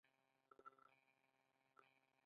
اصولي صیب موټر د چار درې پر سړک برابر کړ.